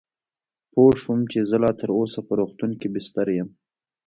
پوه شوم چې زه لا تراوسه په روغتون کې بستر یم.